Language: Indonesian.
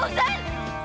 cepet ya om